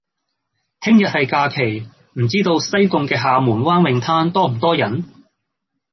聽日係假期，唔知道西貢嘅廈門灣泳灘多唔多人？